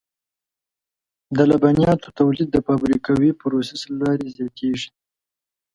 د لبنیاتو تولید د فابریکوي پروسس له لارې زیاتېږي.